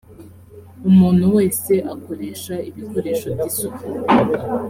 umuntu wese akoresha ibikoresho byisuku.